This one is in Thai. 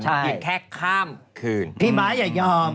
เพียงแค่ข้ามคืนพี่ม้าอย่ายอม